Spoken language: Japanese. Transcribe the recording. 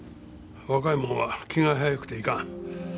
若い者は気が早くていかん。